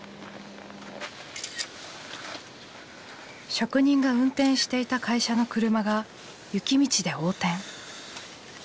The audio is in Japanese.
職人が運転していた会社の車が雪道で横転。